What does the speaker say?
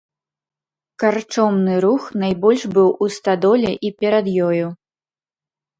Карчомны рух найбольш быў у стадоле і перад ёю.